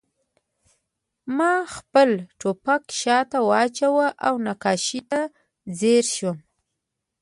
ما خپل ټوپک شاته واچاوه او نقاشۍ ته ځیر شوم